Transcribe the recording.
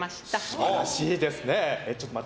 素晴らしいですね。